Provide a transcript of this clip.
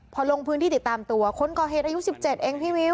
พอลงพื้นที่ติดตามตัวคนก่อเหตุอายุ๑๗เองพี่วิว